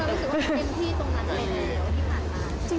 หรือที่ผ่านมา